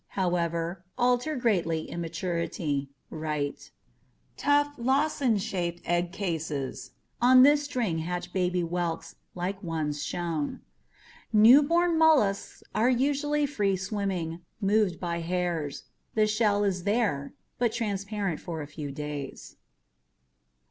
however, alter greatly in maturity (r.). Tough, lozenge shaped egg cases on this string hatch baby WHELKS like ones shown. Newborn mollusks are usually free swimming, moved by hairs. Shell is there, but transparent for a few days.